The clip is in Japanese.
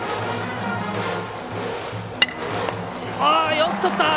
よくとった！